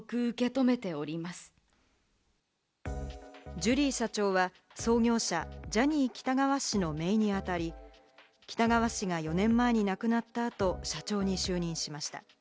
ジュリー社長は創業者・ジャニー喜多川氏の姪にあたり、喜多川氏が４年前に亡くなったあと社長に就任しました。